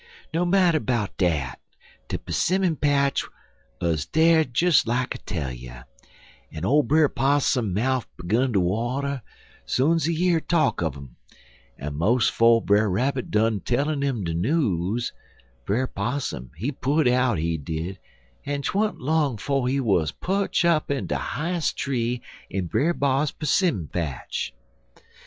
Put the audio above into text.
No matter 'bout dat, de 'simmon patch 'uz dar des like I tell you, en ole Brer Possum mouf 'gun ter water soon's he year talk un um, en mos' 'fo' Brer Rabbit done tellin' 'im de news, Brer Possum, he put out, he did, en 'twa'n't long 'fo' he wuz perch up in de highes' tree in Brer B'ar 'simmon patch.